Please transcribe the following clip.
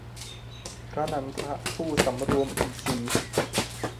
พระนันทะ ผู้สำรวมอินทรีย์